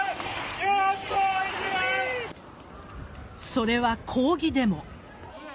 それは、抗議デモ。